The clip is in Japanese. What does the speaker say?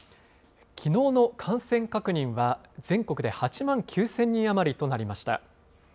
きのうの感染確認は、全国で８万９０００人余りとなりました。